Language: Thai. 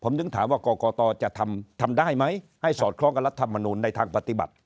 ผมถึงถามว่ากรกตจะทำได้ไหมให้สอดคล้องกับรัฐมนูลในทางปฏิบัติ